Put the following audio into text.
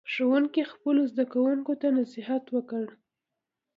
ښوونکي خپلو زده کوونکو ته نصیحت وکړ.